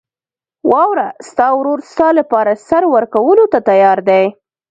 واوره، ستا ورور ستا لپاره سر ورکولو ته تیار دی.